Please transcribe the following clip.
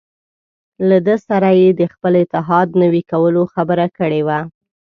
له ده سره یې د خپل اتحاد نوي کولو خبره کړې وه.